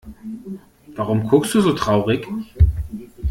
Warum guckst du so traurig?